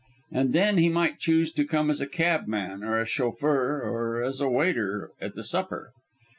And then he might choose to come as a cabman or a chauffeur or as a waiter at the supper.